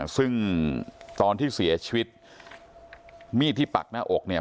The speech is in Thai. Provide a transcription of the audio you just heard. ซึ่งตอนที่เสียชีวิตมีดที่ปักหน้าอกเนี่ย